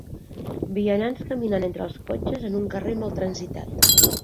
Vianants caminant entre els cotxes en un carrer molt transitat.